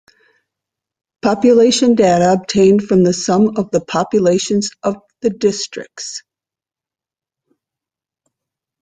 Population data obtained from the sum of the populations of the districts.